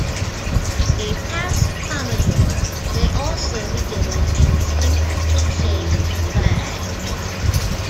A past-commodore may also be given a distinctively-shaped flag.